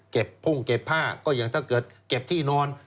พุ่งเก็บผ้าก็อย่างถ้าเกิดเก็บที่นอน